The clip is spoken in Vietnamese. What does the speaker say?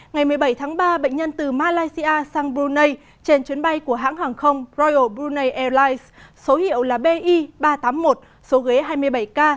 ngày một mươi bảy tháng ba bệnh nhân từ malaysia sang brunei trên chuyến bay của hãng hàng không royal brunei airlines số hiệu là bi ba trăm tám mươi một số ghế hai mươi bảy k